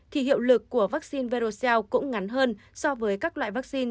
thì hiệu lực của vaccine verocell cũng ngắn hơn so với các loại vaccine